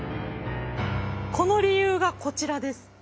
この理由がこちらです。